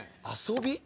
遊び？